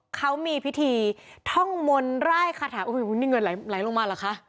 เขามีพิธีท่องมนต์ไล่คาถาโอ้โหนี่เงินไหลลงมาเหรอคะ